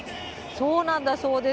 そうなんだそうです。